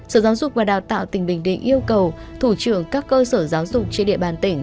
sở giáo dục và đào tạo tỉnh bình định yêu cầu thủ trưởng các cơ sở giáo dục trên địa bàn tỉnh